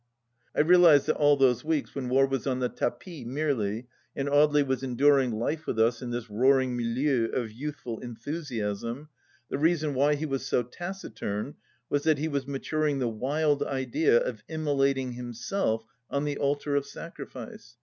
.., I realize that all those weeks when war was on the tapis merely, and Audely was enduring life with us in this roaring milieu of youthfxil enthusiasm, the reason why he was so taciturn was that he was maturing the wild idea of immo lating himself on the altar of sacrifice